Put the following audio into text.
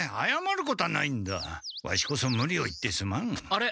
あれ？